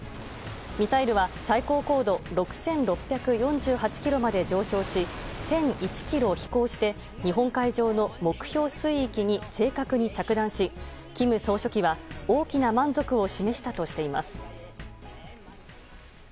ミサイルは最高高度６６４８ｋｍまで上昇し１００１ｋｍ飛行して日本海上の目標水域に正確に着弾し金総書記は大きな満足を示したとしています。